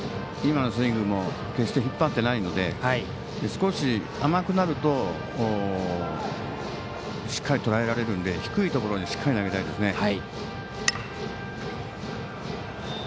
今のスイングも決して引っ張ってないので少し甘くなるとしっかりとらえられるので低いところにしっかり投げたいですね。